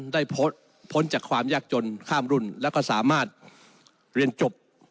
พ้นจากความยากจนข้ามรุ่นแล้วก็สามารถเรียนจบ